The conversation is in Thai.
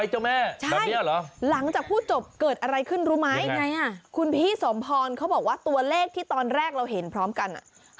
หลังจากนั้นพอเห็น